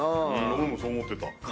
俺もそう思ってた。